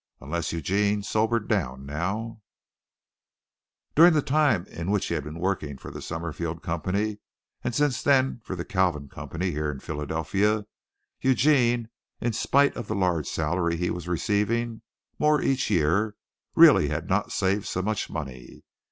Unless Eugene sobered down now During the time in which he had been working for the Summerfield Company and since then for the Kalvin Company here in Philadelphia, Eugene, in spite of the large salary he was receiving more each year really had not saved so much money.